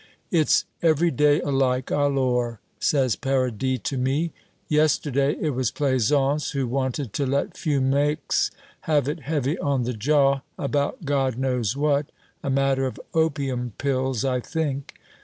"It's every day alike, alors!" says Paradis to me; "yesterday it was Plaisance who wanted to let Fumex have it heavy on the jaw, about God knows what a matter of opium pills, I think.